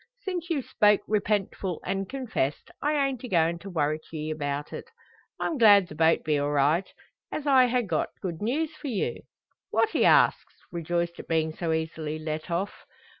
Since you've spoke repentful, an' confessed, I ain't a goin' to worrit ye about it. I'm glad the boat be all right, as I ha' got good news for you." "What?" he asks, rejoiced at being so easily let off.